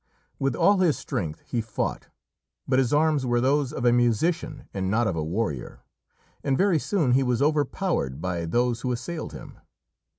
With all his strength he fought, but his arms were those of a musician and not of a warrior, and very soon he was overpowered by those who assailed him.